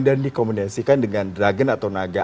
dan dikomodasikan dengan dragon atau naga